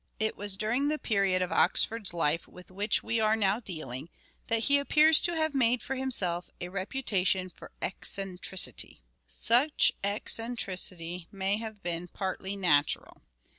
It was during the period of Oxford's life with which Eccentricity, we are now dealing that he appears to have made for himself a reputation for eccentricity. Such eccentricity may have been partly natural.